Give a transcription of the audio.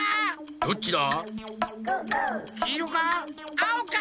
どっちだ？